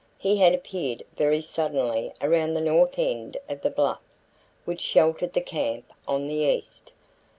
He had appeared very suddenly around the north end of the bluff which sheltered the camp on the east.